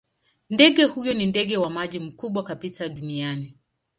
Ndege huyo ni ndege wa maji mkubwa kabisa duniani.